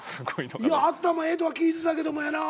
頭ええとは聞いてたけどもやな。